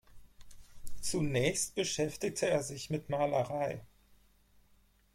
Zunächst beschäftigte er sich mit Malerei.